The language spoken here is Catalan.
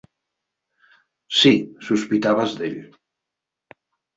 Sí, sospitaves d'ell.